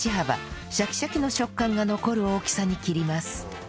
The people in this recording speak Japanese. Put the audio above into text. シャキシャキの食感が残る大きさに切ります